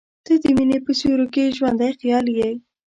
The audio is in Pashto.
• ته د مینې په سیوري کې ژوندی خیال یې.